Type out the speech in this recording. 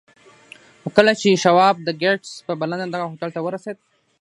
خو کله چې شواب د ګيټس په بلنه دغه هوټل ته ورسېد.